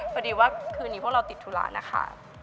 พอดีว่าคืนนี้พวกเราติดธุระนะคะ